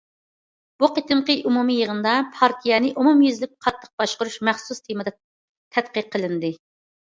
بۇ قېتىمقى ئومۇمىي يىغىندا پارتىيەنى ئومۇميۈزلۈك قاتتىق باشقۇرۇش مەخسۇس تېمىدا تەتقىق قىلىندى.